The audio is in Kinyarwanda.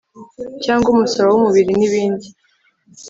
cyangwa umusoro w umubiri n'ibind